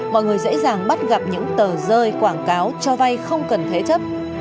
mọi người dễ dàng bắt gặp những tờ rơi quảng cáo cho vay không cần thế chấp